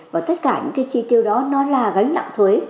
và tất cả những cái chi tiêu đó nó là gánh nặng thuế